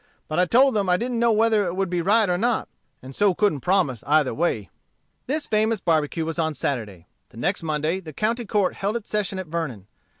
But I told them I didn't know whether it would be right or not, and so couldn't promise either way." This famous barbecue was on Saturday. The next Monday the county court held its session at Vernon.